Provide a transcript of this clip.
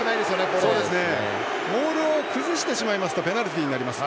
モールを崩してしまいますとペナルティーになります。